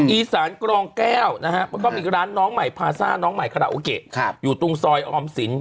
อีสานกรองแก้วนะฮะแล้วก็มีร้านน้องใหม่พาซ่าน้องใหม่คาราโอเกะอยู่ตรงซอยออมสิน